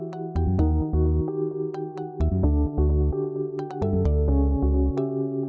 sudah kau balikkan toko